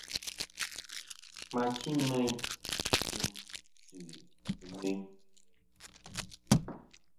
Ma ti meyn tim sœ̀ fɨnyuyn.